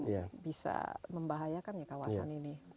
yang bisa membahayakan kawasan ini